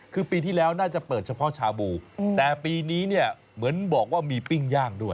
คือปีที่แล้วน่าจะเปิดเฉพาะชาบูแต่ปีนี้เนี่ยเหมือนบอกว่ามีปิ้งย่างด้วย